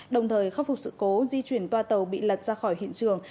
đồng thời khắc phục sự cố di chuyển toa tàu bị lật ra khỏi hiện trường